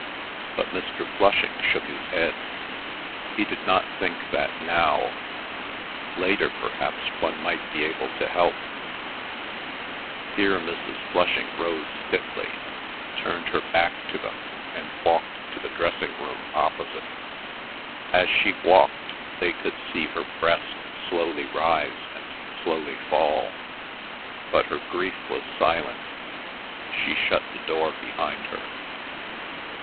But Mr. Flushing shook his head; he did not think that now—later perhaps one might be able to help. Here Mrs. Flushing rose stiffly, turned her back to them, and walked to the dressing room opposite. As she walked, they could see her breast slowly rise and slowly fall. But her grief was silent. She shut the door behind her.